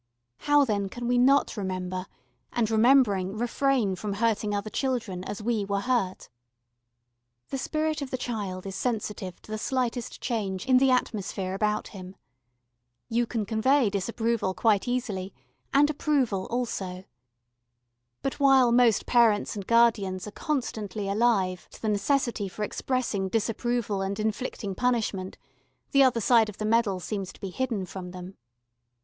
How then can we not remember, and, remembering, refrain from hurting other children as we were hurt? The spirit of the child is sensitive to the slightest change in the atmosphere about him. You can convey disapproval quite easily and approval also. But while most parents and guardians are constantly alive to the necessity for expressing disapproval and inflicting punishment, the other side of the medal seems to be hidden from them.